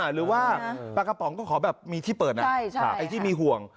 หรือว่าปลากระป๋องก็ขอแบบมีที่เปิดนะไอ้ที่มีห่วง